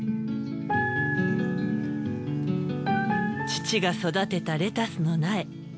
父が育てたレタスの苗。